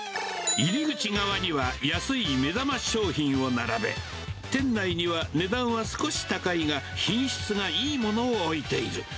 入り口側には安い目玉商品を並べ、店内には値段は少し高いが、品質がいいものを置いている。